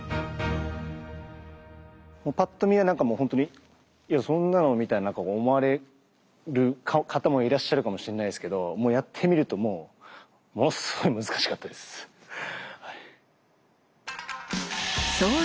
ぱっと見はなんかもう本当にいやそんなのみたいに思われる方もいらっしゃるかもしれないですけどもうやってみるともうものすごい難しかったです。